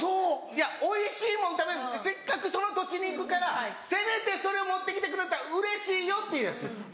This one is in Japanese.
いやおいしいもん食べせっかくその土地に行くからせめてそれ持って来てくれたらうれしいよっていうやつです。